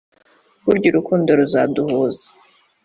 Burya urukundo ruzaduhuza